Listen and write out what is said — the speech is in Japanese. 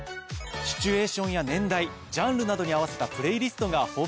シチュエーションや年代ジャンルなどに合わせたプレイリストが豊富なんですよね。